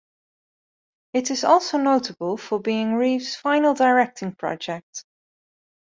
It is also notable for being Reeve's final directing project.